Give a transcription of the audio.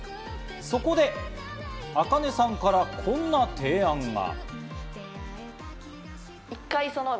そこでａｋａｎｅさんからこんな提案が。